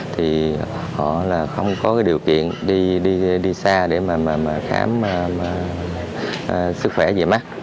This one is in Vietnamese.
thì họ là không có cái điều kiện đi xa để mà khám sức khỏe về mắt